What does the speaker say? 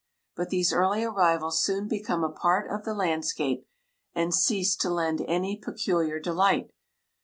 But these early arrivals soon become a part of the landscape and cease to lend any peculiar delight.